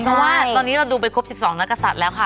เพราะว่าตอนนี้เราดูไปครบ๑๒นักศัตริย์แล้วค่ะ